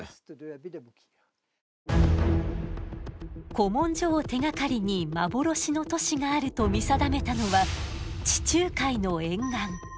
古文書を手がかりに幻の都市があると見定めたのは地中海の沿岸。